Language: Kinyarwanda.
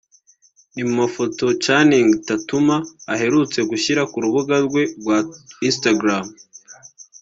ni mu mafoto Channing Tatum aherutse gushyira ku rubuga rwe rwa Instagram